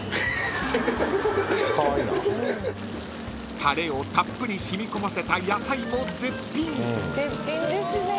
［タレをたっぷり染み込ませた野菜も絶品］